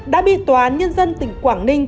đã bị tòa nhân dân tỉnh quảng ninh